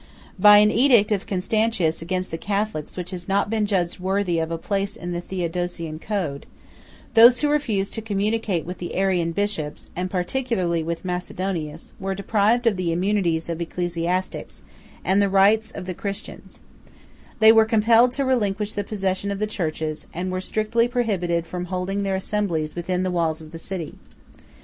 By an edict of Constantius against the Catholics which has not been judged worthy of a place in the Theodosian code, those who refused to communicate with the Arian bishops, and particularly with Macedonius, were deprived of the immunities of ecclesiastics, and of the rights of Christians; they were compelled to relinquish the possession of the churches; and were strictly prohibited from holding their assemblies within the walls of the city.